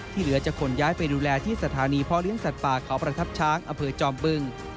เหลือจะขนย้ายไปดูแลที่สถานีพ่อเลี้ยสัตว์ป่าเขาประทับช้างอำเภอจอมบึง